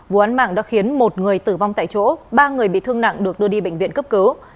vụ án mạng đã khiến một người tử vong tại chỗ ba người bị thương nặng được đưa đi bệnh viện cấp cứu